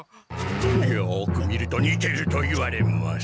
よく見るとにてると言われます。